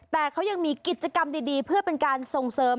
แต่เขายังมีกิจกรรมดีเพื่อเป็นการส่งเสริม